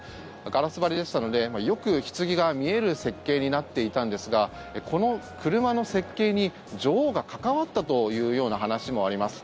ガラス張りでしたのでよく、ひつぎが見える設計になっていたんですがこの車の設計に女王が関わったというような話もあります。